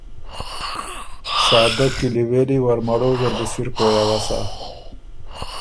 سادۀ کِلی وېلی ورمَړو زر بُو سِر پویٛ اؤسا